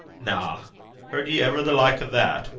'Na! heard ye ever the like o' that!